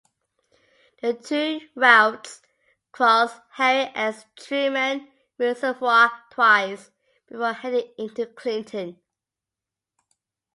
The two routes cross Harry S. Truman Reservoir twice before heading into Clinton.